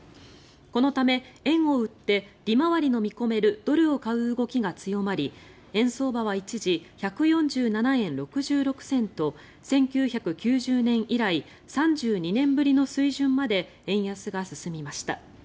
このため円を売って利回りの見込めるドルを買う動きが強まり円相場は一時１４７円６６銭と１９９０年以来３２年ぶりの水準まで円安が進みました。